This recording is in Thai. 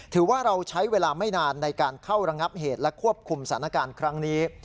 ถือว่าเราใช้เวลาไม่นานในการเข้าระงับเหตุและควบคุมสถานการณ์ครั้งนี้